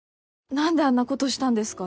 何であんなことしたんですか？